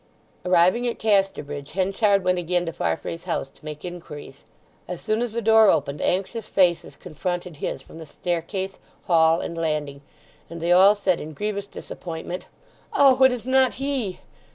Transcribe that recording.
Arriving at Casterbridge Henchard went again to Farfrae's house to make inquiries. As soon as the door opened anxious faces confronted his from the staircase, hall, and landing; and they all said in grievous disappointment, "O—it is not he!"